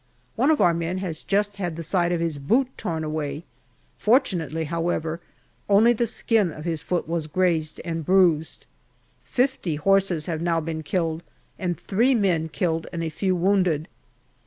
One of our men has just had the side of his boot torn away ; fortunately, however, only the skin of his foot was grazed and bruised. Fifty horses have now been killed, and three men killed and a few wounded.